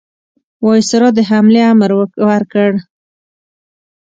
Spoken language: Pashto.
وایسرا د حملې امر ورکړ.